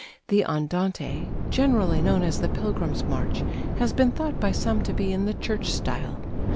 "The Andante [generally known as the 'Pilgrim's March'] has been thought by some to be in the church style.